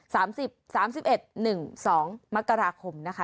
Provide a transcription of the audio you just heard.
สามสิบสามสิบเอ็ดหนึ่งสองมกราคมนะคะ